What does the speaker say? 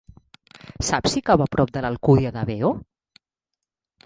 Saps si cau a prop de l'Alcúdia de Veo?